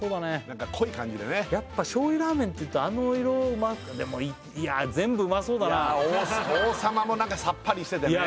何か濃い感じでねやっぱ醤油ラーメンっていうとあの色でもいや全部うまそうだないや王様もさっぱりしててね